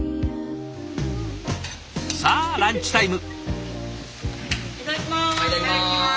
さあランチタイム。